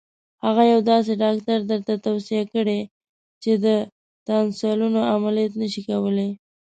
هغه یو داسې ډاکټر درته توصیه کړي چې د تانسیلونو عملیات نه شي کولای.